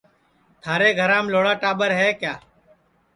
تھارے گھرام لھوڑا ٹاٻر ہے